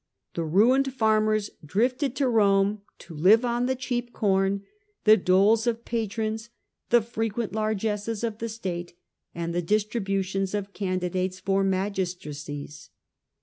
The ruined farmers drifted to Rome, to live on the cheap corn, the doles of patrons, the frequent largesses of the state, and the dis tributions of candidates for magistracies.